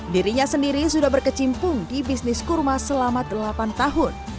dirinya sendiri sudah berkecimpung di bisnis kurma selama delapan tahun